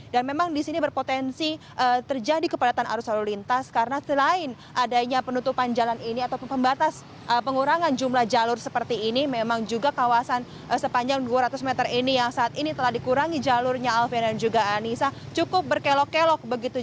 dan memang di sini berpotensi terjadi kepadatan arus solulitas karena selain adanya penutupan jalan ini atau pembatas pengurangan jumlah jalur seperti ini memang juga kawasan sepanjang dua ratus meter ini yang saat ini telah dikurangi jalurnya alfian dan juga anissa cukup berkelok kelok begitu